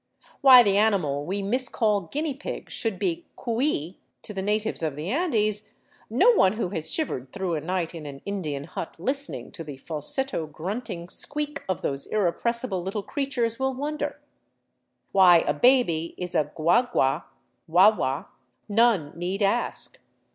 Why the animal we miscall guinea pig should be cui (kwee) to the natives of the Andes no one who has shivered through a night in an Indian hut listening to the falsetto, grunting squeak of those irrepressible little creatures will wonder; why a baby is a guagua (wawa) none need ask.